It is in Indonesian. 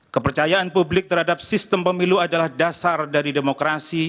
kepercayaan publik terhadap sistem pemilu adalah dasar dari demokrasi